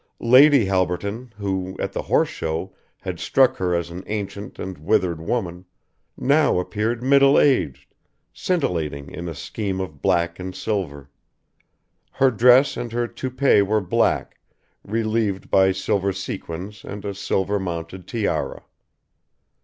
Lady Halberton, who, at the Horse Show had struck her as an ancient and withered woman, now appeared middle aged, scintillating in a scheme of black and silver. Her dress and her toupet were black, relieved by silver sequins and a silver mounted tiara.